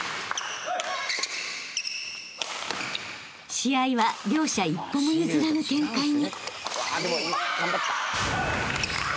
［試合は両者一歩も譲らぬ展開に］